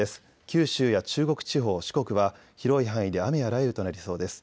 九州や中国地方、四国は広い範囲で雨や雷雨となりそうです。